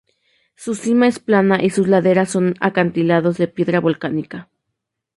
Su cima es plana y sus laderas son acantilados de piedra volcánica.